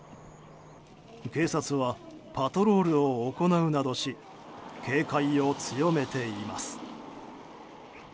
警察はパトロールを行うなどし警戒を強めています。